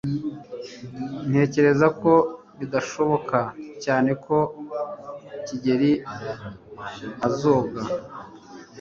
ntekereza ko bidashoboka cyane ko kigeri azoga